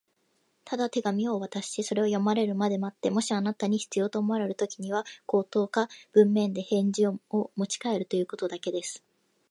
「ただ手紙をお渡しし、それを読まれるまで待って、もしあなたに必要と思われるときには、口頭か文面で返事をもちかえるということだけです」